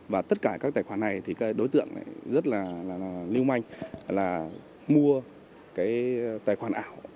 và tất cả các tài khoản này đối tượng rất lưu manh là mua tài khoản ảo